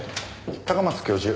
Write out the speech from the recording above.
高松教授